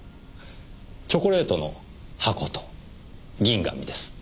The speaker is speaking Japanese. チョコレートの箱と銀紙です。